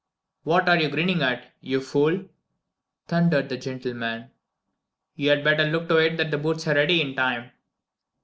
"What are you grinning at, you fool?" thundered the gentleman. "You had better look to it that the boots are ready in time."